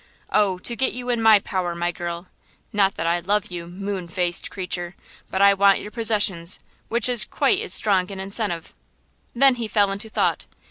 Oh! to get you in my power, my girl! Not that I love you, moon faced creature, but I want your possessions, which is quite as strong an incentive." Then he fell into thought.